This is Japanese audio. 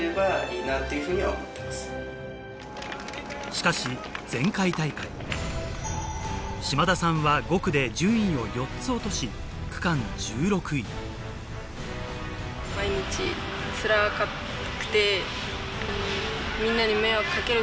しかし前回大会嶋田さんは５区で順位を４つ落としかなって思いました。